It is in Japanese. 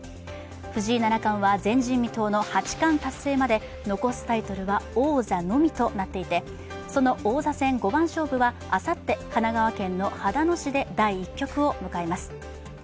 藤井七冠は前人未到の八冠達成まで、残すタイトルは王座のみとなっていてその王座戦五番勝負はあさって、神奈川県の秦野市で第１局を迎えます。